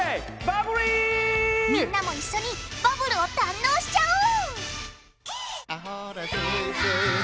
みんなも一緒にバブルを堪能しちゃおう！